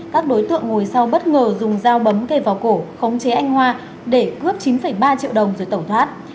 các đối tượng ngồi sau bất ngờ dùng dao bấm cây vào cổ khống chế anh hoa để cướp chín ba triệu đồng rồi tẩu thoát